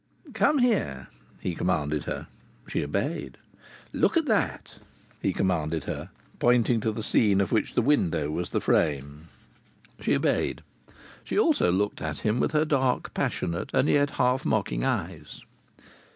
"Come here," he commanded her. She obeyed. "Look at that," he commanded her, pointing to the scene of which the window was the frame. She obeyed. She also looked at him with her dark, passionate, and yet half mocking eyes.